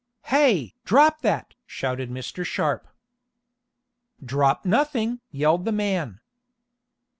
"Hey! Drop that!" shouted Mr. Sharp. "Drop nothing!" yelled the man.